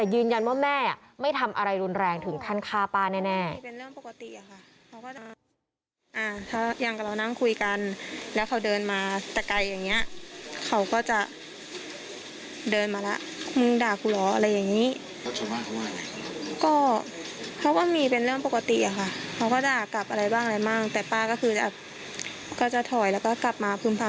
ยืนยันว่าแม่ไม่ทำอะไรรุนแรงถึงขั้นฆ่าป้าแน่